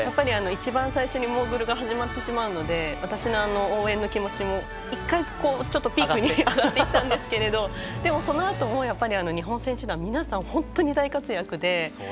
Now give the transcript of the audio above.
一番最初にモーグルが始まってしまうので私の応援の気持ちも１回、ちょっとピークに上がってきたんですがでも、そのあとも日本選手団皆さん、本当に大活躍で。